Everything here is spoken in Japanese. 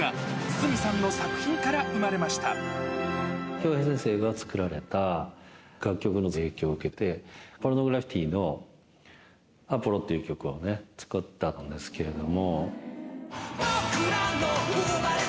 京平先生が作られた楽曲に影響を受けて、ポルノグラフィティのアポロっていう曲をね、作ったんですけれども。